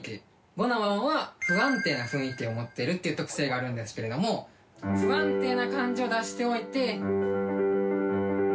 Ⅴの和音は不安定な雰囲気を持ってるっていう特性があるんですけれども不安定な感じを出しておいて。